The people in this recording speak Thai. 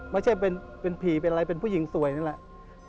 ไม่ใช่เป็นผีเป็นอะไรเป็นผู้หญิงสวยนั่นแหละ